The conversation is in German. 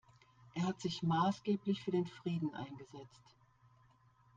Er hat sich maßgeblich für den Frieden eingesetzt.